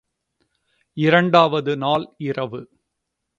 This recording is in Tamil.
இரண்டாவது நாள் இரவு.